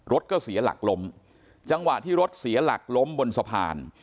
รถก็เสียหลักล้มจังหวะที่รถเสียหลักล้มบนสะพาน